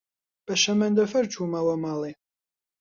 بە شەمەندەفەر چوومەوە ماڵێ.